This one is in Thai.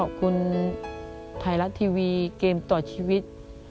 ขอบคุณไทยรัฐทีวีเกมต่อชีวิต